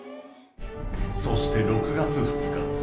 そして６月２日。